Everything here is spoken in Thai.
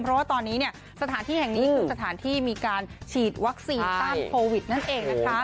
เพราะว่าตอนนี้สถานที่แห่งนี้คือสถานที่มีการฉีดวัคซีนต้านโควิดนั่นเองนะคะ